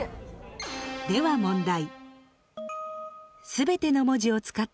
では問題。